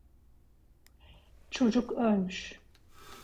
Çocuk ölmüş.